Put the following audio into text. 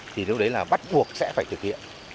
thì lúc đấy là bắt buộc sẽ phải thực hiện